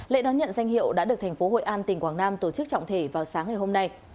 lệ đón nhận danh hiệu đã được tp htn tổ chức trọng thể vào sáng ngày hôm nay